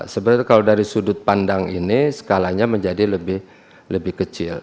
sebenarnya kalau dari sudut pandang ini skalanya menjadi lebih kecil